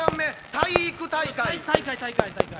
体育大会大会大会！